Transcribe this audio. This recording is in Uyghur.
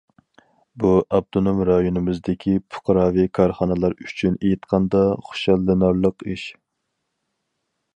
بۇ، ئاپتونوم رايونىمىزدىكى پۇقراۋى كارخانىلار ئۈچۈن ئېيتقاندا خۇشاللىنارلىق ئىش.